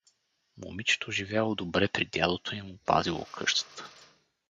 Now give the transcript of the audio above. Момичето живяло добре при дядото и му пазило къщата.